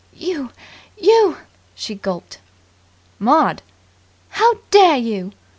"You you " She gulped. "Maud!" "How dare you!"